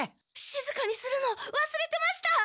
静かにするのわすれてました！